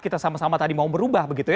kita sama sama tadi mau berubah